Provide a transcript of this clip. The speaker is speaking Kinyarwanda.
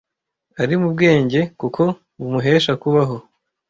ari mubwenge kuko bumuhesha kubaho